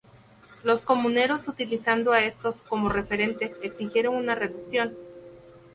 Los comuneros, utilizando a estos como referentes, exigieron una reducción.